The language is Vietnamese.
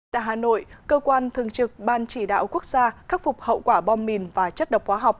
tại hà nội cơ quan thường trực ban chỉ đạo quốc gia khắc phục hậu quả bom mìn và chất độc hóa học